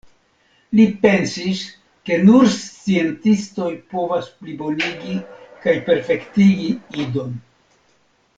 Li pensis ke nur sciencistoj povas plibonigi kaj perfektigi Idon.